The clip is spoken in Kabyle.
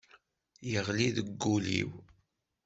Yeɣli deg wul-iw.